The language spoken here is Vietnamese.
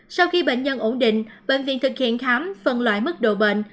sau khi bệnh nhân ổn định bệnh viện thực hiện khám phân loại mức độ bệnh